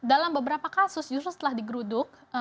dalam beberapa kasus justru setelah digeruduk